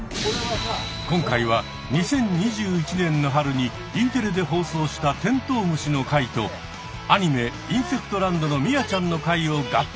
今回は２０２１年の春にＥテレで放送したテントウムシの回とアニメ「インセクトランド」のミアちゃんの回を合体。